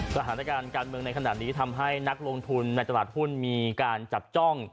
สถานการณ์การเมืองในขณะนี้ทำให้นักลงทุนในตลาดหุ้นมีการจับจ้อง